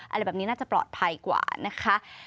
อะไรแบบนี้น่าจะปลอดภัยกว่านะคะ